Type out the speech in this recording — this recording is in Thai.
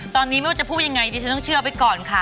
ตอนนี้ไม่ว่าจะพูดยังไงดิฉันต้องเชื่อไปก่อนค่ะ